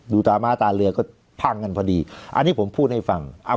ตาม้าตาเรือก็พังกันพอดีอันนี้ผมพูดให้ฟัง